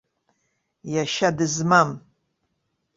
Иашьа дызмам!